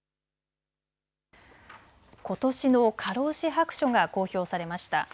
ことしの過労死白書が公表されました。